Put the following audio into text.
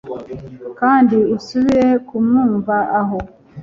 kandi usubire kumwumva aho